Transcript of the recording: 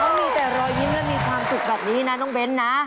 เขามีแต่รอยยิ้มและมีความสุขแบบนี้นะน้องเบ้นนะ